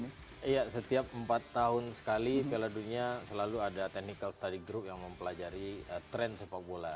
iya setiap empat tahun sekali piala dunia selalu ada technical study group yang mempelajari tren sepak bola